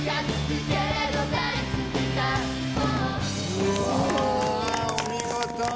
うわお見事！